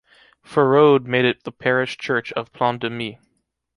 Féraud made it the parish church of Plan-des-Mées.